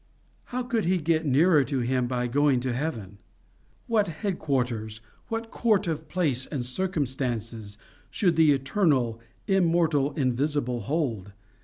How could he get nearer to him by going to Heaven? What head quarters, what court of place and circumstance should the Eternal, Immortal, Invisible hold?